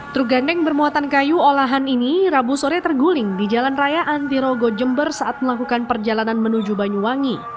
truk gandeng bermuatan kayu olahan ini rabu sore terguling di jalan raya antirogo jember saat melakukan perjalanan menuju banyuwangi